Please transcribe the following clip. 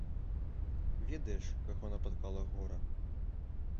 Ведаеш, каго напаткала гора.